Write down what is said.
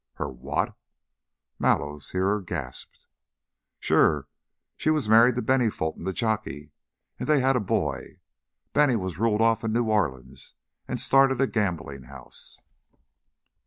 "Her what?" Mallow's hearer gasped. "Sure. She was married to Bennie Fulton, the jockey, and they had a boy. Bennie was ruled off in New Orleans and started a gambling house."